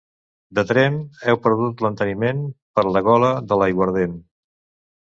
De Tremp, heu perdut l'enteniment per la gola de l'aiguardent.